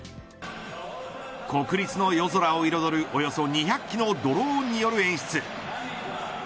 国立の夜空を彩るおよそ２００機のドローンによる演出。